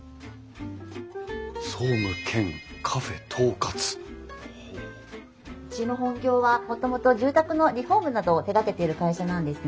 「総務兼ＣＡＦＥ統括」うちの本業はもともと住宅のリフォームなどを手がけている会社なんですね。